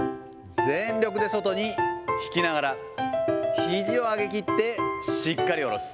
全力で外に引きながら、ひじを上げきって、しっかり下ろす。